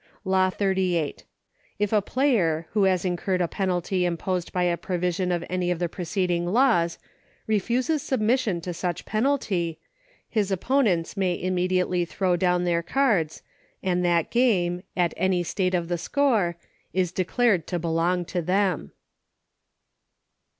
Law XXXVIII. If a player, who has incurred a penalty imposed by a provision of any of the prece ding Laws, refuses submission to such penalty, his opponents may immediately throw down their cards, and that game, at any state of the Bcore, is declared to belong to them.